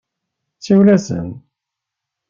Siwel-asen.